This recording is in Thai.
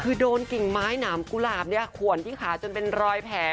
คือโดนกิ่งไม้หนามกุหลาบขวนที่ขาจนเป็นรอยแผล